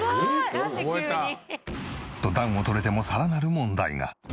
と暖をとれてもさらなる問題が。